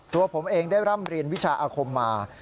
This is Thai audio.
ตัวผมเองได้ร่ำเรียนวิชาอาคมมา